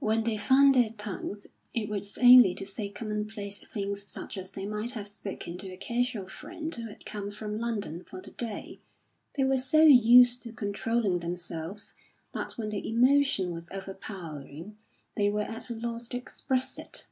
When they found their tongues, it was only to say commonplace things such as they might have spoken to a casual friend who had come from London for the day. They were so used to controlling themselves, that when their emotion was overpowering they were at a loss to express it.